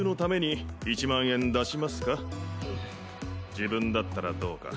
自分だったらどうか？